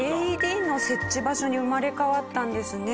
ＡＥＤの設置場所に生まれ変わったんですね。